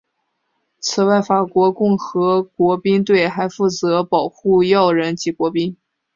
此外法国共和国卫队还负责保护要人及国宾。